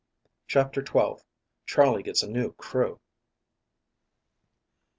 CHAPTER XII. CHARLEY GETS A NEW CREW.